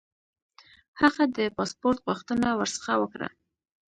هغه د پاسپوټ غوښتنه ورڅخه وکړه.